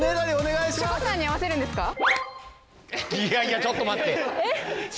いやいやちょっと待って！